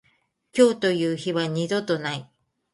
今日という日は二度とない。